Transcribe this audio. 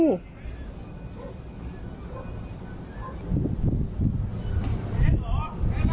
ไม่ต้องกวนออกด้วยหรือเปล่า